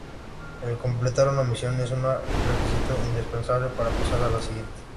El completar una misión es un requisito indispensable para pasar a la siguiente.